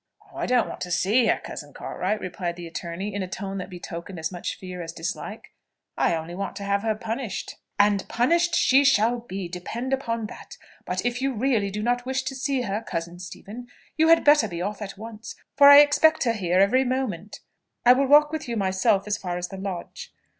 "I don't want to see her, cousin Cartwright," replied the attorney, in a tone that betokened as much fear as dislike; "I only want to have her punished." "And punished she shall be, depend upon that; but if you really do not wish to see her, cousin Stephen, you had better be off at once, for I expect her here every moment. Come along I will walk with you myself as far as the lodge."